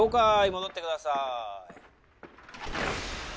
戻ってください